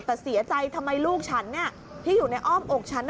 แต่เสียใจทำไมลูกฉันที่อยู่ในอ้อมอกฉัน